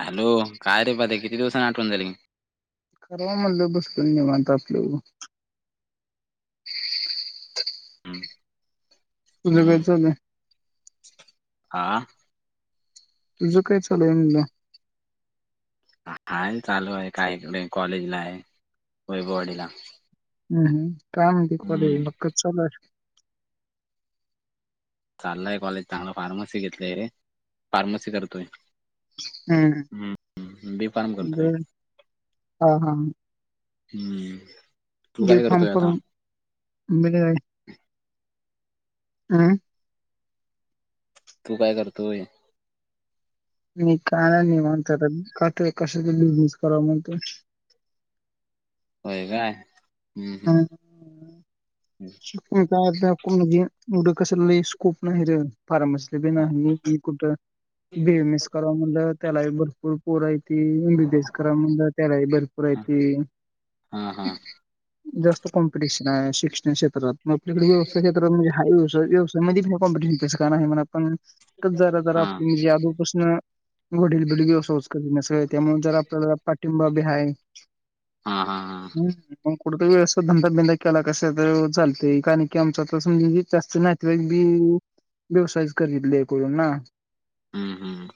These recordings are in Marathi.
हॅलो काय रे पत्यां किती दिवसाांनी आठवण झाली. करावा म्हणलं बसत निवांत आपल. हम्म, तुझ काय चालय. आ! तुझ काय चालू आहे म्हणलं. हा आहे चालू आहे काही मी कॉलेजला आहे वैभववाडीला. हूं हूं काय म्हणती कॉलेज हम्म मग कस चालू हाय. चाललाय कॉलेज चांगलं, फार्मसी घेतलंय रे फार्मसी करतोय. हम्म हूं हूं बी फार्म करतोय. बर हा हा हूं! बी फॉर्म करून मिळेल. तू काय करतोय? नाही, काय नाही निवांत [unintelligible] कशाचा बिझनेस करावा म्हणतोय. होय काय, हम्म, हम्म. का कोण दि एवढं कशात स्कोप नाहीरे. फार्मसी बी नाही कुठ बी एस मस एस कराव म्हणलं त्याला भरपूर पोरायत [unintelligible] करा म्हणलं त्यालाही भरपूर हा हायती. हा हा जास्त कॉम्पिटिशन आहे शिक्षण क्षेत्रात मग आपल्याकडे व्यवसाय [unintelligible] हा कॉम्पिटिशन पण काण आहे म्हणा आपण जरा जरा हा आप म्हणजे अजोबापासन वडील बिडसोच करण्या सग त्यामुळे जर आपल्याला पाठिंबा बी आहे. हा हा हां ह पण कुठ वेळेस धंदा बिंदा केला कस. [unintelligible] चाल कारण की आमचा तर जसे जास्त नातेवाई बी व्यवसायच करेतले करून ना हम्म हम्म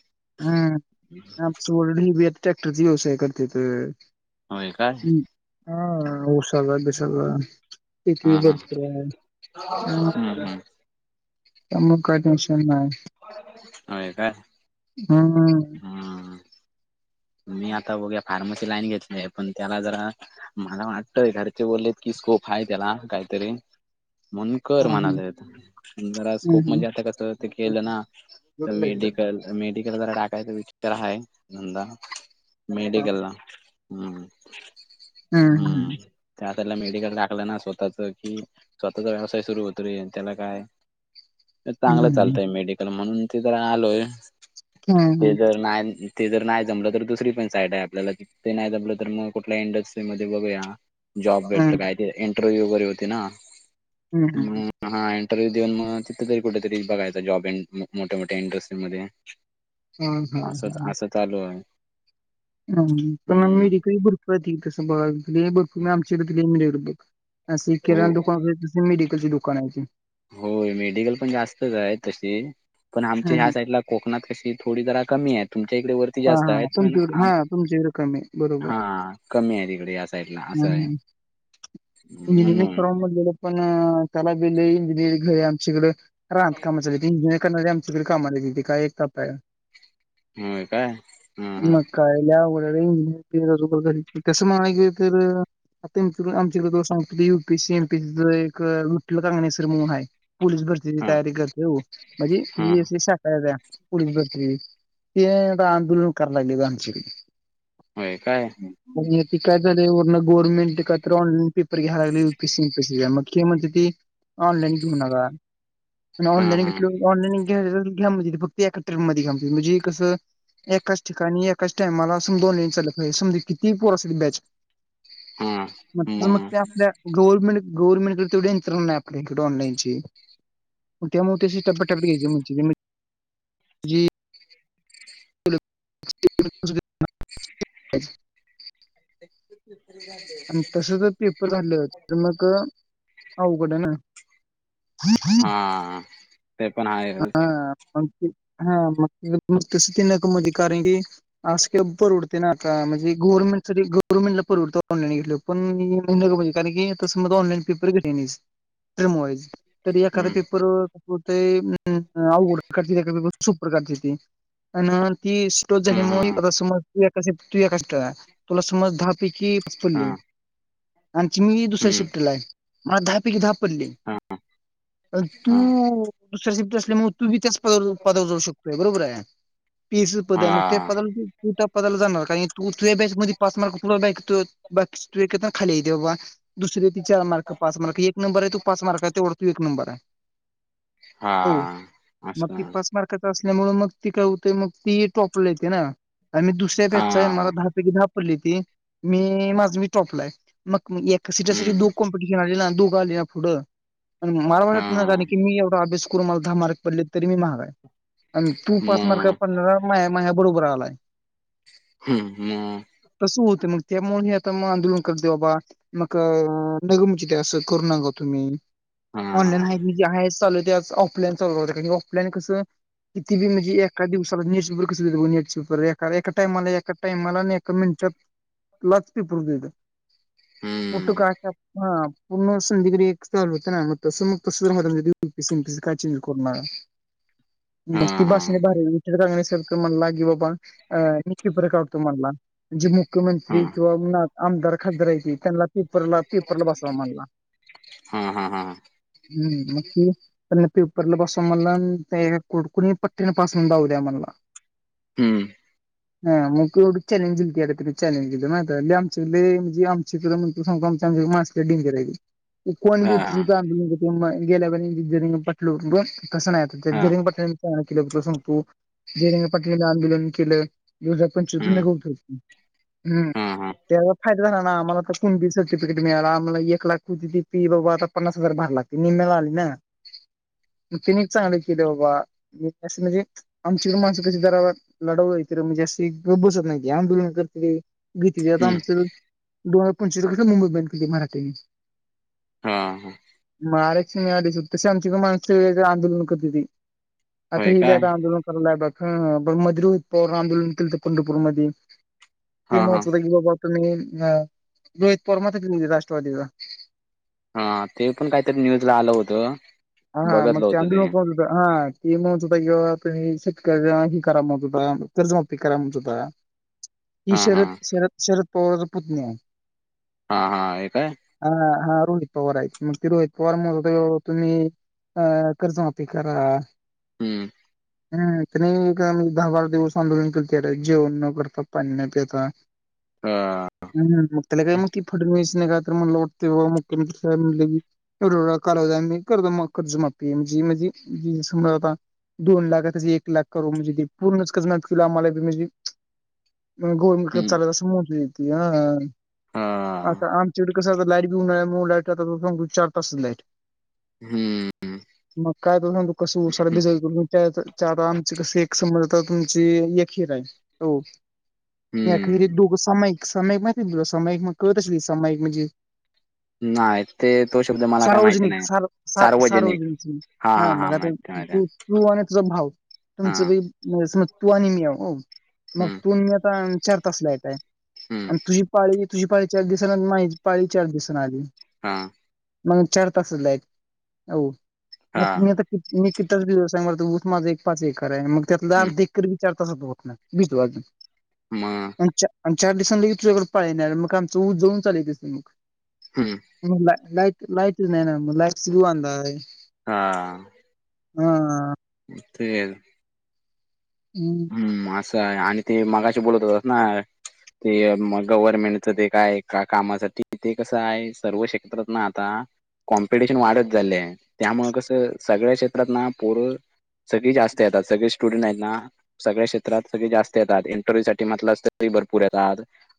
हम्म सोड ह बी ट्रॅक्टरचा व्यवसाय करतेत. होय काय. हम् हा [unintelligible] सगळं. किती हा हा बघत हां हम्म हम्म त्यामुळं काय टेन्शन नाई. होय काय? हा, हा हम्म मी आता बघुया, फार्मसी लाईन घेतलोय. पण त्याला जरा, मला वाटतय, घरचे बोललेत की स्कोप आहे त्याला, काहीतरी. म्हनून कर म्हणालायत. जरा स्कोप म्हणजे आता कसं, ते केलं ना,, तर मेडिकल मेडिकल जरा टाकायचं विचार आहे, धंदा. मेडीकलला, हम्म, हम्म, हम्म त्याकडला मेडिकल टाकलं ना स्वतःच की स्वतःचा व्यवसाय सुरू होतो रे, त्याला काय. चांगलं चालतय मेडिकल, म्हणून ते जरा आलोय, ते जर नाय ते जर नाही जमलं तर दुसरी पण साईट आहे आपल्याला,, ते नाही जमलं तर मग कुठल्या इंडस्ट्री मध्ये बघूया. जॉब भेटतो काय? ते इंटरव्ह्यू वगैरे होतो ना, हा इंटरव्हू देऊन मग तिथं तरी कुठेतरी बघायचा जॉब, मोठ्या मोठ्या इंडस्ट्री मध्ये. असं, असं चालू आहे. ह, पण मग हम्म मेडिकल भरपूर हायत, तसं भरपूर आमच्याकडे [unintelligible] अस हो किराणा दुकानं हायती, तसं मेडकलची दुकानं हायती. होय, मेडिकल पण जास्तच आहे तशी, पण हा आमच्या ह्या साईडला कोकणात कशी थोडी जरा कमी आहेत, तुमच्या इकडे वर ती हा हा जास्त हा आहेत पण, तुमच्याकडे आ हा तुमच्याकडे कमी आहे बरोबर. हा कमी आहेत इकडं या साईडला, असं आहे. इंजिनिअरिंग म्हणून कराव म्हनलेलो. पण, त्याला बि लय इंजिनिअरिंग घर, आमच्याकडे राहत कामाचा इंजिनिअरंग करणार. तिकडे कामाला ऐकण्याची,, काय एकच आय. होय काय? हा हा मग काय लय आवगड आय रे तसं मानायला गेलं तर आमच्याकडे तुला सांगतो, U P C M, P च एक विठ्ठल कगणेसर मनुन हाय पोलीस भरतीची हा तयारी करतय, हो, हा म्हणजे शाखा आहे. पोलीस भरती, ते आता आंदोलन करायला लागलेत आमचे. होय काय? पण ते काय झाले वर्ण गव्हर्मेंट काय तर ऑनलाईन पेपर घ्याय लागलेय यू, पी, सी, सी मग ते म्हणत ते ऑनलाईन घेऊ नका. हा ऑनलाइन हा घेतल ऑनलाईन घ्या म्हणे फक्त एकात्रीत मध्ये घ्या म्हणजे कसं एकाच ठिकाणी, एकाच टाईमाला समदी बोलून चालत नाही समज किती पोर असली बॅच मग, मग ते आपल्या गव्हर्मेंट, गव्हर्मंटडे कडे तेवढी इन्कम नाही आपल्या इकडे ऑनलाईनची. त्यामुळे त्याशी टप्प्याटप्प्याने घ्यायचे, म्हणजे जी स [unintelligible] तरी जातयऽ [unintelligible] आणि तसं जर पेपर झाल, तर मग अवगड हाय ना. खई खई [unintelligible] हां.. ते पण आहे. ह [unintelligible] कारण की, आस परवडतय. तन आता गवर्नमेंट साठी पेपर म्हटलं परवडत ऑलाईन घेतल्यावर पण नको भाई कारण की तसं म ऑनलाइन पेपर घेतय नाहीस. तर मयज. [unintelligible] तरी एखादा हम्म पेपरते अ अवघड काढते, एखाद्या पेपर सोप काढती ते. आणि ती स्टो हम्म हम्म [unintelligible] समजका एका तुला समज दहा पैकी हा पडली आणि मी दुसऱ्या हम्म शिफ्टीला आहे मला दहा पैकी, दहा पडली हा तू दुसऱ्या शिफ्टला असल्यामुळे तू् बी त्याच पदावर, पदावर जाऊ शकतोय बरोबर आहे. तीस पद हा आहे मग त्या पदाला तु तू टप्प्या झाला जाणार कारण तू तुझ्या बॅच मध्ये पाच मार्क बाकी व [unintelligible] खाली येईल देवबा. दुसर आहे ते चार मार्क, पाच मार्क एक नंबर आहे तो पाच मार्कच्या वरती एक नंबर आहे. हा हो हा मग ती असं पाच एक मार्काच असल्यामुळे मग ती काय होतय मग ती टॉपला येते ना अन् मी दुसऱ्या हा बॅचचा आहे मला द दहा पैकी दहा पडले होते तर माझ मी टॉपला आहे मग एका सिटासाठी हम्म दोन काॅम तू काय त्याच्यापुढे मला हा वाटेना की मी एवढा अभ्यास करून मला दहा मार्क पडले तरी मी माघ आहे तू पाच मार्कावर मग पंधरा म्या, म्या पुढं उभं राहावं लागेल. हम्म, हम्म. तसं होते मग त्यामुळे मी आता मग आंदोलन करते बाबा. मग नगमची ते कॅन्सल करू नका हो तुम्ही. हा हा ऑनलाईन आहे जे आहे चालू दे आ ऑफलाईन चालू राहु द्या ऑफलाइन चालू द्या की ऑफलाईन कसं किती बी म्हणजे एका दिवसाला न्यूज पेपर कस देता बघा न्यूज पेपर एका, एका टाईमला, एका टाईमाला, एका मिनटात लाख पेपर देतात. हम्म. पुठ काश हा प पुर्ण सम दिग्री एकस ना म स सुम त म प स [unintelligible] काय चेंज करणार हा मग ती हा भाष बाहेरुन गणेश सर ला म्हणला की बाबा अ नी पेपर काढतो म्हणला. जे हा मुख्यमंत्री किंवा आमदार, खासदार आहेतील त्यांना पेपरला, पेपरला बसावा म्हणला. [unintelligible] हा, हा, हा, ह. हम्म मग ते त्यांना पेपरला बसवा म्हणला कुणी पठ्ठ्याला पासून होऊन दाऊदया म्हणाला. हम्म.. हा मग चॅलेंजलीड चलेज लय आमच लय. शिक तूला सांगु का आमच्या, आमच्या मास्टर किम केल्या हाय की. कोणी हा बुरत आोल [unintelligible] गेल्यापर्य पटलूवर.. कसं नाही हा रंगपट्टनी केलं सांगतो जरंगपट्टणी आदोलन केलं. दवज आपण चकून नाही हम्म ख शकतो हम् हा हा त्या फायदा झाला ना आमलाता कोणती सर्टिफिकेट मिळाला आम्हाला एक लाख कोणती फी बाबा आ पन्नास हजार भार लागती. ती निमेला आली ना. फिन चांगली किले बाबा म म्हणजे आमच्याकडडे माणसिकच्या दरावर लढवलं तर म्हणजे अस गप बसत नाही आंदोलन करते. घेत आता हम्म आमच दोन हजार पंचावीस क मुंबई बली मराठी हा हा मार सिंग या दिस. तसे आमची का माणस वेगळे आंदोलनक होत होती आता होय ह ब काय आता आंदोलन ह मजर प आंदोलन केलं पंढरपूर मध्ये ते हा हा महत्व की बाबा तुमही अ रोहित परर्मालेली राष्ट्रवादीला हा ते पण काहीतरी न्यूजला आलं होतं. हा हा मे बघितलं होतं ते अंद्र. हा की म्हण होता किंवा शेतक ह करा म्हण होता कर्जमाती करा म्हणत होता. ही हा हा शरद शरद शरद पवारचा पुत्नी आहे. हा हा हे काय? हा हा रोहित पवार आहेत मग ते रोहित पवार म्ह तुम्ही अ कर्जुमाप करा. हम्म. हम् नाही दहा बारा दिवस आंदोलन केलंर जेवण न करता पाणी न प्याता [unintelligible] हा. ह मग त्याला काय मग ती फडणवीस नाही का तर मला वाटत मुख्यमंत्री साहेब म्हणले की एवढं एढ कालव मी कर्ज कर्जमाफी म्हणजे म्हणजे समजता. दोन लाखा त्या एक लाख करू म्हणजे ते पूर्णच कजमला आम्हाला म्हणजे म गोोलमत [unintelligible] हं, चालतसं मोज येते ह. हां, आता आमच्याकड कसं आ लाईट बिऊ न म लाईट सग चार तासच लाईट हम्म. मग काय तरग तू कसं हं, बिजता आमचे कस एक समज तुमची एक हीर आहे. हो. री हं. दू समयिक सयक मा समयिक म कतस समायिक म्हणजे [unintelligible] नाही ते तो शब्द मला काय माहिती नाही स सार्वजन हा मग आता तू माहिती आहे. तू आणि तुझा भाव तुमचं हां, बी म तू आणि मी आ. मग हं, तू मी आता चार तासला येतय हं, आणि तुझी पाळी तुझी पाळी चार दिवस माहि पाळी चार दिवसाां आली. हा. मग चार तास आहेत [unintelligible] हो मग मी हां, आता कि मी कितीच ब सांगणार च माझा एक पाच एकर आहे मग त्यातला हं, जाग दे. विचार तस बघ बिजूजून [unintelligible] [unintelligible] आणि आणि चार दिसां लगे तुझ्याकडे पाळ येणार मग आमं ऊस जऊन चालयच असं मग हम्. लाईट लाईटच नाही ना लाईटस बीवाध [unintelligible] आहे. हा. हा. हो ते हम्म. हम्म असं आहे आणि ते मगाशी बोलत होतात ना. ते मग गव्हर्मेंटचं ते काय का कामासाठी ते कसं आहे सर्व क्षेत्रात ना आता कॉम्पिटिशन वाढत झालेय त्यामुळं कसं सगळ्या क्षेत्रात ना पोर. सगळी जास्त आहेत आता सगळे स्टुडंट आहेत ना. सगळ्या क्षेत्रात सगळे जास्त येतात इंटरव्ह्यू साठी म्हटलं तरी भरपूर येतात.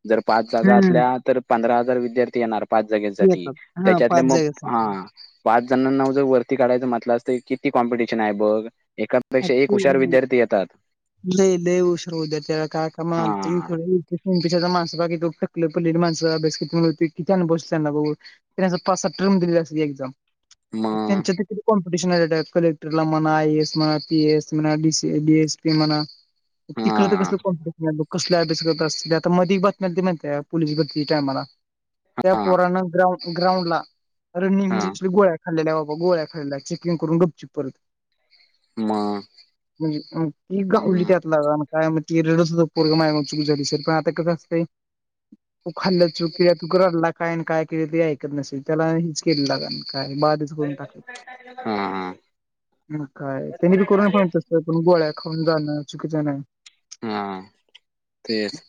जर पाच जागा हम्म. असल्या तर पंधरा हजार विद्यार्थी येणार? पाच जागांसाठी येतात हा त्याच्यातले पाच मग हा. जागेसाठी पाच जणांना जर वरती काढायचं म्हटलं असं किती कॉम्पिटिशन आहे बघ एका ऐका पेक्षा एक हुशार विद्यार्थी येतात. लई ल उशरू द्या त्या काय का इ हा माणसकी [unintelligible] त [inaudible] आप प माणचा अभ्यास किती बस त्यांना त्यां पाच सात टर्म दिलेला अस एक्झाम मग त्यांच्यात किती कॉम्पिटिशन आहे कलेक्टरला म्हणा आयस म्हण. स म्ह एस पी म तिकड तर कस हा [unintelligible] कसले अभ्यास करत असतील आता मध बातम्या ते माहिती पोललीस भरतीच्या तायमाळा त्या हा पुोराण ग्राउं ग्राउंड ला हा रणिंगीस गो्या खाल्ल्या बाबा गोळ्या खाल्ल्या चेकिंग करून गपची [unintelligible] परत मग म्हणजे ती गावली हम्म त्यात काय ती रेडच हो पोर चुक झाली सर पण आता कसं असत. उ खाल् चुकी तु कल् ला. काय काय केले ते ऐकत नसेल त्याला हेच केले लाग काय बा. हा हा. काय त्यांनी बी करून पण गोळ्या खाऊन जाण चुकीचं नाही? हा तेच.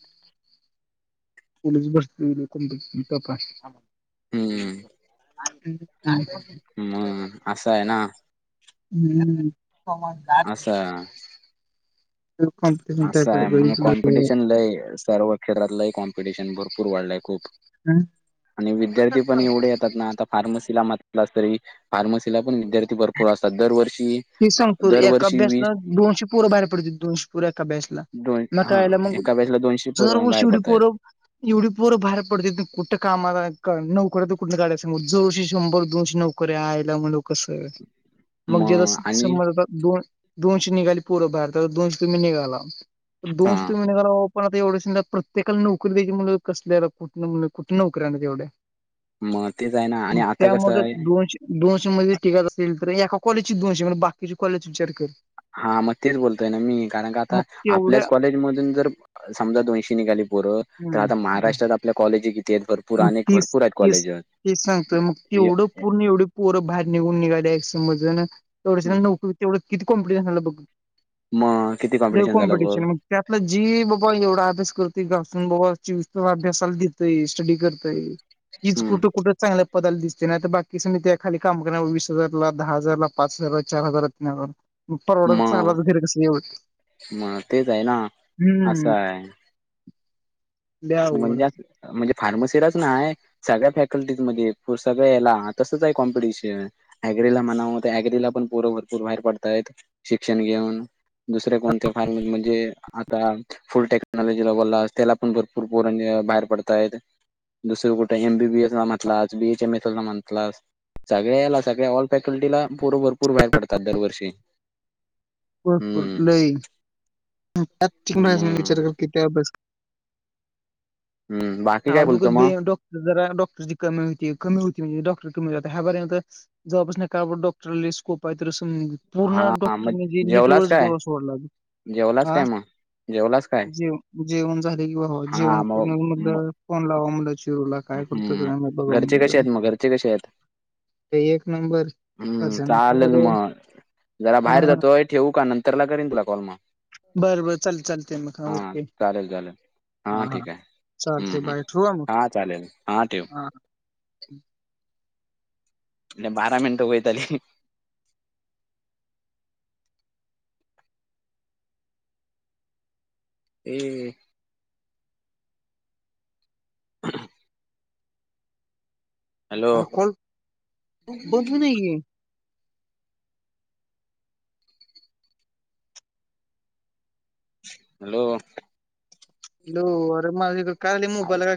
[unintelligible] हम्म [unintelligible] हम्म असं आहे ना? हम्म कमवतात. असं असं आहे म्हण कॉम्पिटिशन लय सर्व क्षेत्रात कॉम्पिटिशन भरपूर वाढलंय खूप आणि विद्यार्थी पण एवढे आहेत. आता फार्मसीला म्हटला अस तरी फार्मसीला पण विद्यार्थी भरपूर असतात दरवर्षी. ते अ सांगतो एका दरवर्षी वीस बॅचला दोनशे पोर बाहेर पडतील दोनशे पोर एका बॅचला. दोन हा नकायला मग एका बॅचला दोनशे जर पोरं वर्षी बाहेर एवढी पडतायत पोर एवढी पोरं बाहेर मग [unintelligible] आणि दोन दोनशे निघाली पोर भारतात दोनशे तुम्ही निघाला हा दोनशे तुम्ही निघाला. पण आता एवढे स प्रत्येकाला नोकरी द्यायची म्हटल्यावर कसल कुठं नोकरी आण ऐवढ्या. मग ते जा आहेना आणि आता कसं आहे? दोनशे दोनशे मध्ये टिगत असेल तर एका कॉलेजची दोनशे म्हणजे बाकीची कॉलेजच विचार कर. हा मग तेच बोलतोय ना मी कारण का आता मग तेवढ्या आपल्याच कॉलेजमधून जर समजा दोनशी निघाली पोर तर हम्म आता हम्म. महाराष्ट्रात आपल्या कॉलेजी किती आहेत बघ. मग तीस तीस तीस सांगतोय मग ती एवढं पूर्ण एवढी पोरं बाहेर निघून निघाल्या एक्समज तेवढ लोक तेवढं किती कॉम्पिटिशन झालं बघ? मग किती झालं बघ कॉम्पिटिशन म त्यातलं जी बाबा एवढा अभ्यास करते घासून बाबा चौवीस तास अभ्यासाला देतोय? स्टडी करतय हिच हम्म. कुठ कुठ. चांगल्या पदाला दिसते नाही तर बाकी सगळी त्या खाली काम करण्याला वीस हजारला दहा हजारला पाच हजारला चार हजार परवड चाल मग अस घर कस होईल मग तेच आहे ना असं हम्म. आहे लय अवघड म्हणजे आहे म्हणजे फार्मसीलाच ना आहे? सगळ्या फॅकल्टीजमध्ये सगळ्या याला तसंच आहे कॉम्पिटिशन? ॲग्री ला म्हणाव ॲग्रीला पण भरपूर बाहेर पडतायत शिक्षण घेऊन. दुसरे कोणते फार्म म्हणजे आता फुल टेक्नॉलॉजीला बोलला अस त्याला पण भरपूर पोर बाहेर पडतायत. दुसरं कुठे एम बीबीएस म्हटलास बीएचएमएसल ला म्हणलास. सगळ्याला सगळ्या ऑल फॅकल्टीला पोर भरपूर बाहेर पडतात दरवर्षी? भरपूर हम्म लई त्यात ठिक मग म विचार कर किती अभ्यास हम्म बा आगोदर बो एम डॉक्टर जरा डॉक्टरची कमी होती कमी होती म्हणजे डॉक्टर कमी ह्यापर्यंत. जवळपासून का डॉक्टरला स्कोप आहे तस पूर्ण हा डॉक्टर मग म्हणजे जेवलास काय? नेटवर सोडला जेवलाच हा-? काय मग? जेवलाच काय? जेव जेवण झाले कि बावा जेवण हा करून मग म म्हणल फोन लावावा तुला. काय करतोय हम्म. काय बघाव घरचे कसे म्हटलं. आहेत मग? घरचे कसे आहेत? ते एक नंबर हम्म अशाना खराब चालेल होईल. मग. जरा बाहेर जातोय ठेवू का नंतर ला करेन तुला कॉल मग? बर बर चालतय चालतय म हा ओके चालेल चालेल. हा हा ठीक आहे. हम्म चालते हम्म. बाय? ठेवु का मग? हा चालेल हा ठेव. हां म्ह बारा मिनटं वहयीत आली. ह [unintelligible] हॅलो ह कोण होतबी नाईय. हॅलो! हॅलो माझ्या कड काय आणि मोबाईल य होर